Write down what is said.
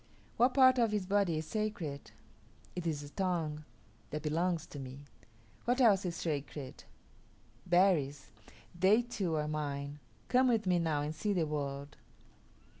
What part of his body is sacred? It is the tongue; that belongs to me. What else is sacred? Berries. They too are mine. Come with me now and see the world."